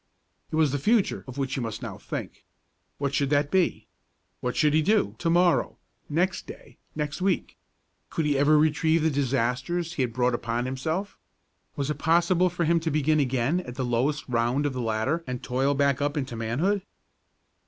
It was the future of which he must now think. What should that be? What should he do to morrow, next day, next week? Could he ever retrieve the disasters he had brought upon himself? Was it possible for him to begin again at the lowest round of the ladder and toil back up into manhood?